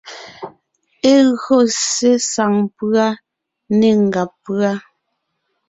E gÿo ssé saŋ pʉ́a né ngàb pʉ́a.